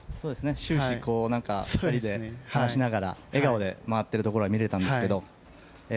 終始、２人で話しながら笑顔で回っているところが見れたんですけど。